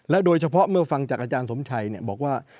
โดยเฉพาะเมื่อฟังจากอาจารย์สมชัยบอกว่า